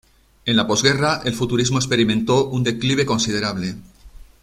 En la posguerra el futurismo experimentó un declive considerable.